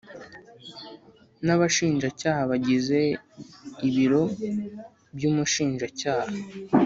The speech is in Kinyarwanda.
N abashinjacyaha bagize ibiro by umushinjacyaha